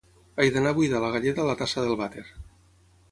He d'anar a buidar la galleda a la tassa del vàter